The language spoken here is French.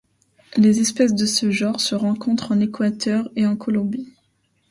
Les espèces de ce genre se rencontrent en Équateur et en Colombie.